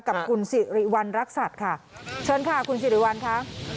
กับคุณศรีวรรณรักษัตริย์ค่ะเชิญค่ะคุณศรีวรรณค่ะ